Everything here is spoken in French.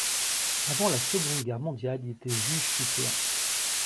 Avant la seconde guerre mondiale, il était juge suppléant.